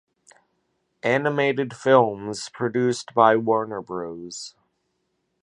Animated films produced by Warner Bros.